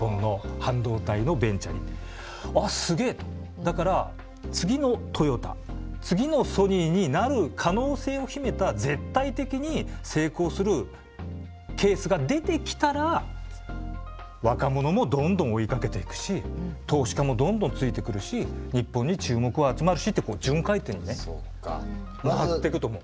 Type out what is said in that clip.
だから次のトヨタ次のソニーになる可能性を秘めた絶対的に成功するケースが出てきたら若者もどんどん追いかけていくし投資家もどんどんついてくるし日本に注目は集まるしって順回転にね回っていくと思う。